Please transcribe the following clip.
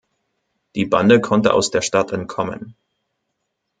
Die Bande konnte aus der Stadt entkommen.